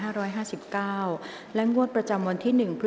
กรรมการท่านที่สามได้แก่กรรมการใหม่เลขหนึ่งค่ะ